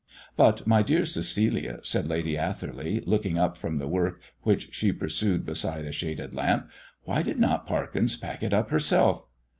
"But, my dear Cecilia," said Lady Atherley, looking up from the work which she pursued beside a shaded lamp, "why did not Parkins pack it up herself?"